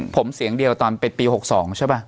ผมเสียงเดียวตอนเป็นปี๖๒ใช่ป่ะ